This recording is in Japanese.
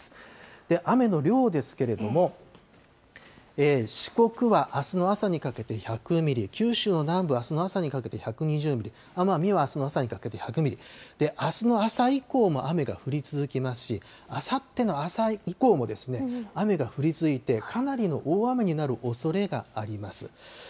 雨の量ですけれども、四国はあすの朝にかけて１００ミリ、九州の南部はあすの朝にかけて１２０ミリ、奄美はあすの朝にかけて１００ミリ、あすの朝以降も雨が降り続きますし、あさっての朝以降も、雨が降り続いてかなりの大雨になるおそれがあります。